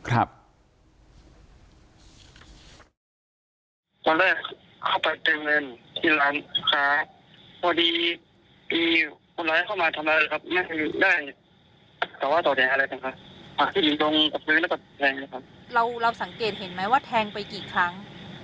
เราสังเกตเห็นไหมว่าแทงไปกี่ครั้ง